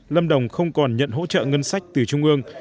lâm đồng không còn nhận hỗ trợ ngân sách từ trung ương